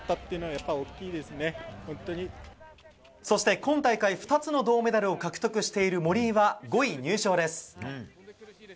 そして今大会２つの銅メダルを獲得している森井は５位入賞です。